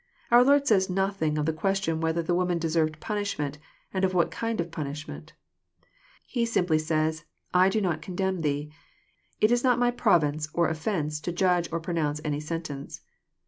Our Lord says nothing of the question whether the woman deserved punishment, and what kind of punishment. He simply says I do not condemn thee. It is not my province or offence to judge or pronounce any sentence."